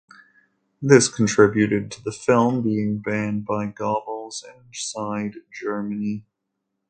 This contributed to the film being banned by Goebbels inside Germany.